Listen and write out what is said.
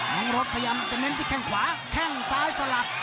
น้องรถพยายามจะเน้นที่แข้งขวาแข้งซ้ายสลับ